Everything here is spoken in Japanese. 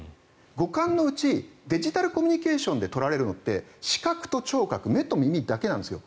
五感のうちデジタルコミュニケーションで取られるのって視覚と聴覚目と耳だけなんですよ。